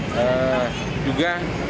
kami juga melakukan penindakan